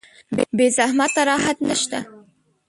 بې زحمته راحت نشته.